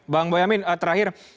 pak boyamin terakhir